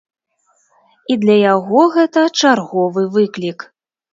І для яго гэта чарговы выклік.